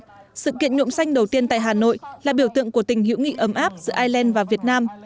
trong sự kiện nhuộm xanh đầu tiên tại hà nội là biểu tượng của tình hữu nghị ấm áp giữa ireland và việt nam